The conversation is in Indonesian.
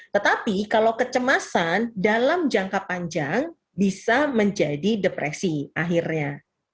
tetapi kalau kecemasan dalam jangka panjang bisa menjadi depresi akhirnya